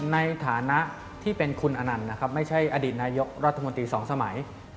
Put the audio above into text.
ในฐานะที่เป็นคุณอนันต์นะครับไม่ใช่อดีตนายกรัฐมนตรีสองสมัย